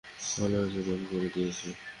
ভালো হইছে, ব্যান করে দিছে।